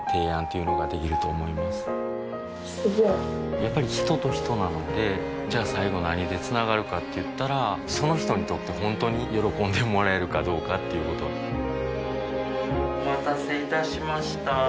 やっぱり人と人なのでじゃあ最後何でつながるかって言ったらその人にとって本当に喜んでもらえるかどうかっていうことお待たせいたしました。